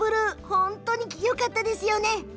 本当によかったですよね。